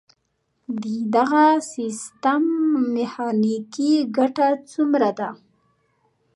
د دغه سیستم میخانیکي ګټه څومره ده؟